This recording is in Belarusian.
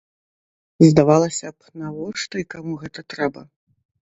Здавалася б, навошта і каму гэта трэба?